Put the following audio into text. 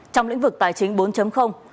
trong lĩnh vực tài chính bốn